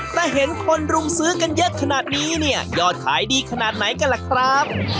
แต่เห็นคนรุมซื้อกันเยอะขนาดนี้เนี่ยยอดขายดีขนาดไหนกันล่ะครับ